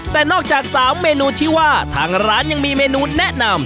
แต่นอกจาก๓เมนูที่ว่าทางร้านยังมีเมนูแนะนำ